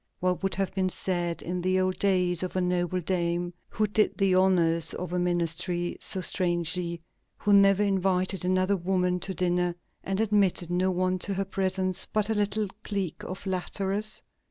What would have been said in the old days of a noble dame who did the honors of a ministry so strangely, who never invited another woman to dinner, and admitted no one to her presence but a little clique of flatterers?